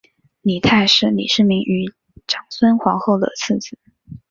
李泰是李世民与长孙皇后的次子。